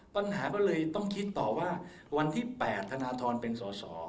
ปัญหาก็เลยต้องคิดต่อว่าวันที่๘ธนทรเป็นสอสอ